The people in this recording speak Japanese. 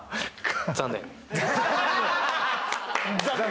「残念」